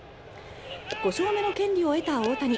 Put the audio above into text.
５勝目の権利を得た大谷。